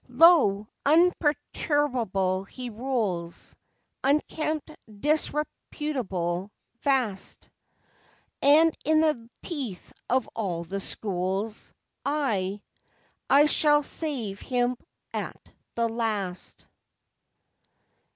Lo! imperturbable he rules, Unkempt, disreputable, vast And, in the teeth of all the schools I I shall save him at the last!